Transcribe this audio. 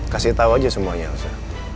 kasih tahu aja semuanya usah